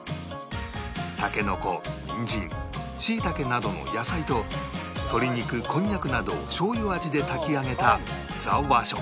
たけのこニンジンシイタケなどの野菜と鶏肉こんにゃくなどをしょうゆ味で炊き上げたザ・和食